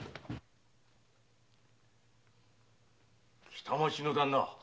北町の旦那。